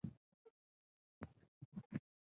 合作的对象以青年对象的动漫作品为主。